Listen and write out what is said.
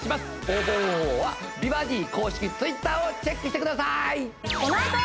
応募方法は美バディ公式Ｔｗｉｔｔｅｒをチェックしてください！